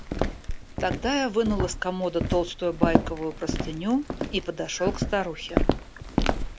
Тогда я вынул из комода толстую байковую простыню и подошел к старухе.